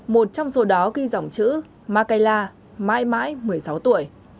một trong số đó ghi dòng chữ makaila mãi mãi một mươi sáu tuổi